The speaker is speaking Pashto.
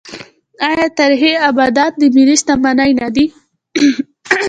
آیا تاریخي ابدات د ملت شتمني نه ده؟